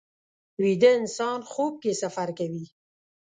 ویده انسان خوب کې سفر کوي